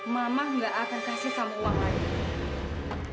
mama enggak akan kasih kamu uang lagi